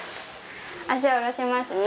足下ろしますね。